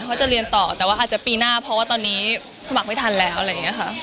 เขาจะเรียนต่อแต่ว่าอาจจะปีหน้าเพราะว่าตอนนี้สมัครไม่ทันแล้วอะไรอย่างนี้ค่ะ